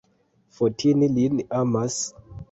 Fotini lin amas?